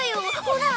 ほら。